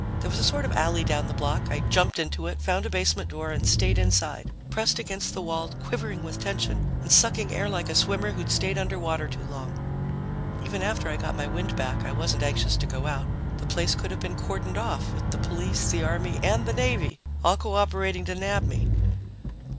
There was a sort of alley down the block. I jumped into it, found a basement door and stayed inside, pressed against the wall, quivering with tension and sucking air like a swimmer who'd stayed underwater too long. Even after I got my wind back, I wasn't anxious to go out. The place could have been cordoned off, with the police, the army and the navy all cooperating to nab me.